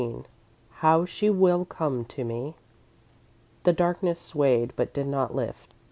XV "HOW SHE WILL COME TO ME" The darkness swayed but did not lift.